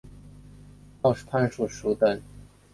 道氏攀鼠属等之数种哺乳动物。